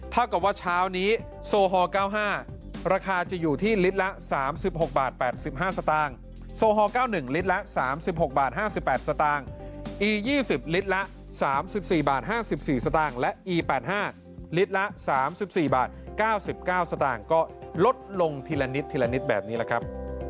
ถ้าว่าเช้านี้โซฮ๙๕ราคาจะอยู่ที่ลิตรละ๓๖๘๕บาทโซฮ๙๑ลิตรละ๓๖๕๘บาทอี๒๐ลิตรละ๓๔๕๔บาทและอี๘๕ลิตรละ๓๔๙๙บาทก็ลดลงทีละนิดแบบนี้นะครับ